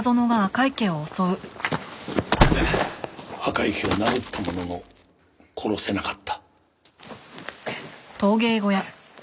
赤池を殴ったものの殺せなかった。